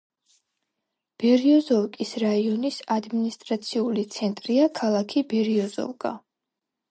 ბერიოზოვკის რაიონის ადმინისტრაციული ცენტრია ქალაქი ბერიოზოვკა.